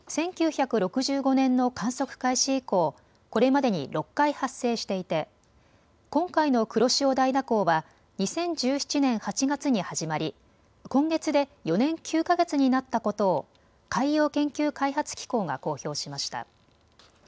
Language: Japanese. １９６５年の観測開始以降、これまでに６回、発生していて今回の黒潮大蛇行は２０１７年８月に始まり今月で４年９か月になったことを海洋研究開発機構が公表しました。